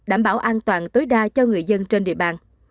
đảm bảo an toàn tối đa cho người dân trên địa bàn